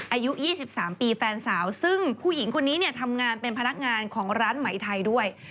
อายุ๒๓ปีแฟนสาวซึ่งผู้หญิงคนนี้เนี่ยทำงานเป็นพนักงานของร้านไหมไทยด้วย